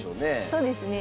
そうですね。